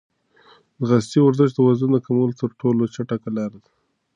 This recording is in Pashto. د ځغاستې ورزش د وزن د کمولو تر ټولو چټکه لاره ده.